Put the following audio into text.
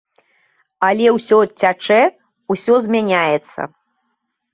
Але ўсё цячэ, усё змяняецца.